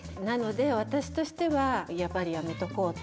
なので私としてはやっぱり。